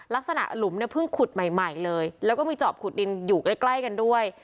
หลุมเนี่ยเพิ่งขุดใหม่เลยแล้วก็มีจอบขุดดินอยู่ใกล้ใกล้กันด้วย